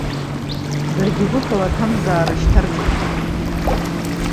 Даргьы гәыкала аҭамзаара шьҭарҵеит.